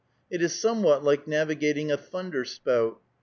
It is somewhat like navigating a thunder spout.